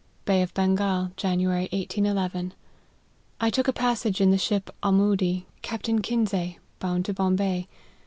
" Bay of Bengal, January, 1811. " I took a passage in the ship Ahmoody, Cap tain Kinsay, bound to Bombay.